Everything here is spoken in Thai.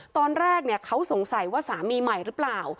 ตอนแรกเขาสงสัยว่าสามีใหม่หรือเปล่า